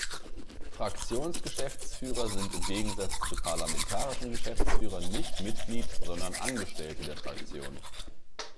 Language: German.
Fraktionsgeschäftsführer sind im Gegensatz zu parlamentarischen Geschäftsführern nicht Mitglied, sondern Angestellte der Fraktion.